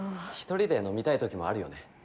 １人で飲みたい時もあるよね。